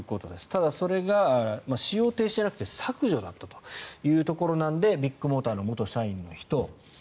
ただ、それが使用停止じゃなくて削除だったというところなのでビッグモーターの元社員の人。